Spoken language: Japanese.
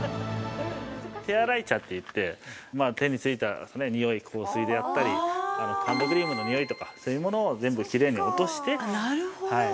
手洗い茶って言って手についたニオイ、香水であったりハンドクリームのニオイとかそういうものを全部きれいに落として、はい。